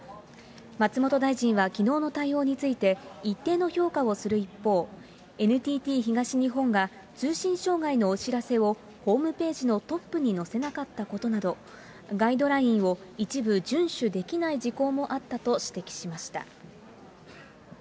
松本大臣はきのうの対応について、一定の評価をする一方、ＮＴＴ東日本が通信障害のお知らせを、ホームページのトップに載せなかったことなど、ガイドラインを一部遵守できない事項もあったと指摘しました。